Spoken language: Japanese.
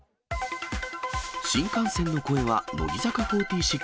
新幹線の声は乃木坂４６。